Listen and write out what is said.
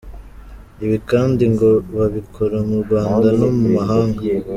Ibi kandi ngo babikora mu Rwanda no mu mahanga.